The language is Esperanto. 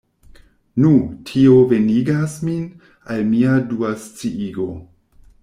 Nu, tio venigas min al mia dua sciigo.